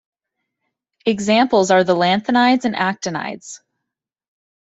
Examples are the lanthanides and actinides.